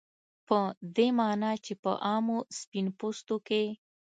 په دې معنا چې په عامو سپین پوستو کې